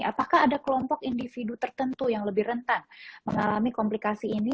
apakah ada kelompok individu tertentu yang lebih rentan mengalami komplikasi ini